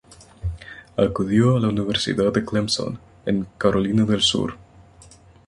Acudió a la Universidad de Clemson, en Carolina del Sur.